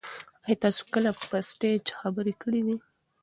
ایا تاسي کله په سټیج خبرې کړي دي؟